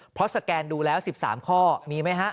เพราะสแกนดูแล้ว๑๓ข้อมีไหมฮะ